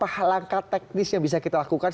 apa langkah teknis yang bisa kita lakukan